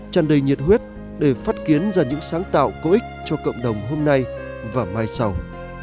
tràn đầy nhiệt huyết để phát kiến ra những sáng tạo có ích cho cộng đồng hôm nay và mai sau